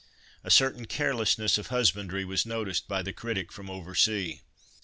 A certain carelessness of husbandry was noticed by the critic from over sea.